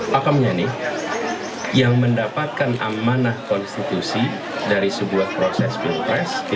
pakamnya nih yang mendapatkan amanah konstitusi dari sebuah proses pilpres